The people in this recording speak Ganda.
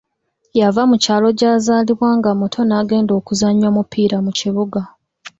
Yava mu kyalo gy'azaalibwa nga muto n'agenda okuzannya omupiira mu kibuga.